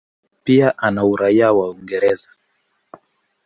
Pia ana uraia wa Uingereza.